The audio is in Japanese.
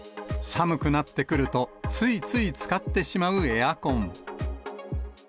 寒くなってくると、ついつい使ってしまうエアコン。